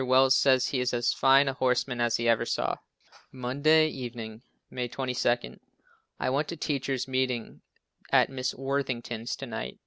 Wells says he is as fine a horseman as he ever saw. Monday evg., May 22. I went to Teachers' meeting at Mrs. Worthington's to night.